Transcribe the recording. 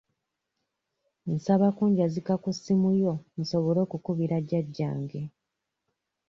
Nsaba kunjazika ku ssimu yo nsobole okukubira jjajjange.